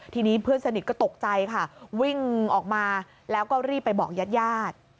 ทีนี้เพื่อนสนิทก็ตกใจค่ะวิ่งออกมาแล้วก็รีบไปบอกญาติญาติ